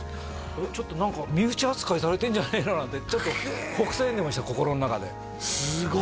ちょっと何か身内扱いされてんじゃないのなんてちょっとほくそ笑んでました心の中ですごい！